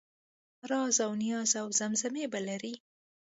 رازاونیازاوزمزمې به لرې